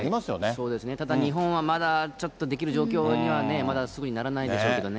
そうですね、ただ日本はまだちょっとできる状況には、まだすぐにはならないでしょうけどね。